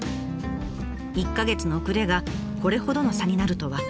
１か月の遅れがこれほどの差になるとは。